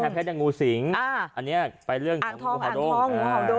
ที่เป็นแพทย์ในงูสิงอันนี้ไปเรื่องของงูเห่าดง